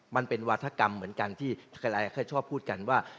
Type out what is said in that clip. มันเป็นวาธกรรมเหมือนกันที่ใครชอบพูดกันว่า